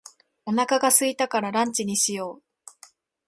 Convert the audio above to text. お腹が空いたからランチにしよう。